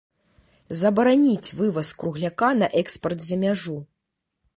Забараніць вываз кругляка на экспарт за мяжу.